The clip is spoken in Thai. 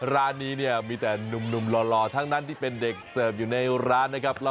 ร้านนี้เนี่ยมีแต่หนุ่มหล่อทั้งนั้นที่เป็นเด็กเสิร์ฟอยู่ในร้านนะครับ